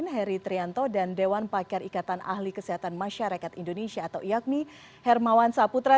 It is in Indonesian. heri trianto dan dewan pakar ikatan ahli kesehatan masyarakat indonesia atau iakmi hermawan saputra